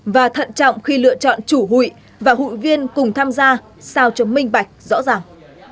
và thận trọng khi lựa chọn chủ hụi và hụi viên cùng tham gia sao cho minh bạch rõ ràng